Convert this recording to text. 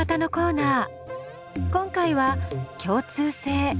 今回は「共通性」。